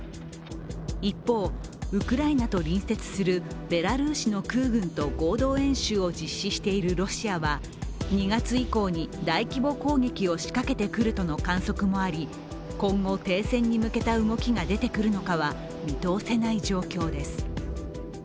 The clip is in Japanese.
一方、ウクライナと隣接するベラルーシの空軍と合同演習を実施しているロシアは２月以降に大規模攻撃を仕掛けてくるとの観測もあり今後、停戦に向けた動きが出てくるのかは見通せない状況です。